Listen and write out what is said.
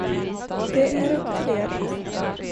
Det är upp till er.